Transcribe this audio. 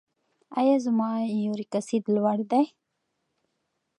ایا زما یوریک اسید لوړ دی؟